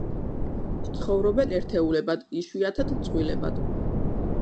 ცხოვრობენ ერთეულებად, იშვიათად წყვილებად.